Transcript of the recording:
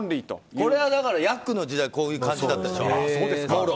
これはだからヤックンの時代はこういう感じだったでしょ。